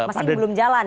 masih belum jalan ya